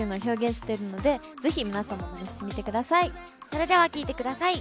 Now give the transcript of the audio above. それでは聴いてください。